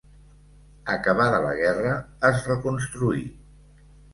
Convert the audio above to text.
Acabada la guerra, es reconstruí.